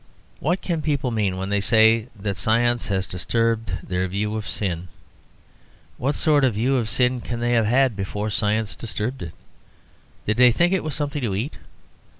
What can people mean when they say that science has disturbed their view of sin? What sort of view of sin can they have had before science disturbed it? Did they think that it was something to eat?